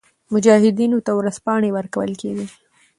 مجاهدینو ته ورځپاڼې ورکول کېدې.